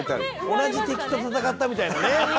「同じ敵と戦ったみたいなね。